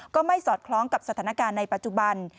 ก็ไม่สอดคล้องกับสถานการณ์ในปัจจุบัน